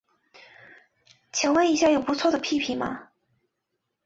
请问一下有不错的 ㄟＰＰ 吗